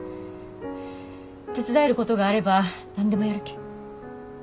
手伝えることがあれば何でもやるけん。